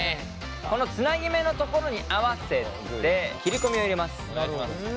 このつなぎ目の所に合わせて切り込みを入れます。